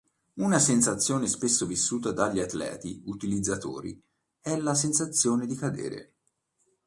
Una sensazione spesso vissuta dagli atleti utilizzatori, è la sensazione di cadere.